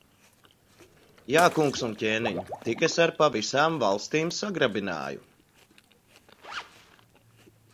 Jā, kungs un ķēniņ! Tik es ar pa visām valstīm sagrabināju.